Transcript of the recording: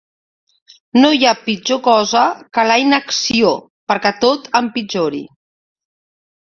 No hi ha pitjor cosa que la inacció perquè tot empitjori.